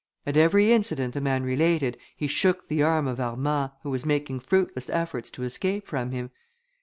At every incident the man related, he shook the arm of Armand, who was making fruitless efforts to escape from him.